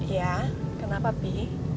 iya kenapa pi